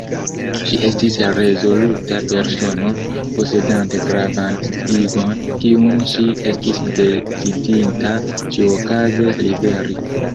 Ŝi estis rezoluta persono, posedante gravan sciigon, kiun ŝi estis decidinta ĉiuokaze liveri.